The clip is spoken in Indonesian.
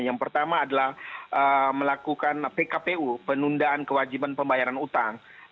yang pertama adalah melakukan pkpu penundaan kewajiban pembayaran utang